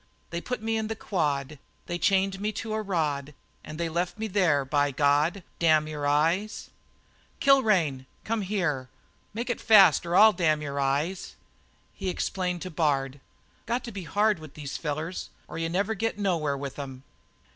They put me in the quad, They chained me to a rod, And they left me there, by God Damn your eyes!" "Kilrain, come here and make it fast or I'll damn your eyes!" He explained to Bard: "Got to be hard with these fellers or you never get nowhere with 'em."